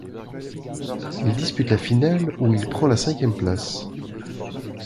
Il dispute la finale, où il prend la cinquième place.